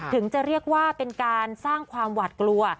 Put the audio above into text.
ถึงจะเรียกว่าเป็นการสร้างความหวัดกลัว